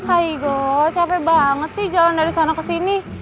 kaigo capek banget sih jalan dari sana ke sini